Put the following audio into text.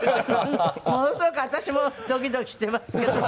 ものすごく私もドキドキしてますけど。